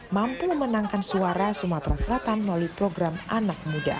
mampu memenangkan suara sumatera selatan melalui program anak muda